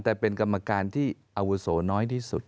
แต่เป็นกรรมการที่อาวุโสน้อยที่สุด